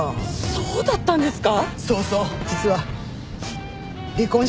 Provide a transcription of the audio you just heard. そうだったんですか。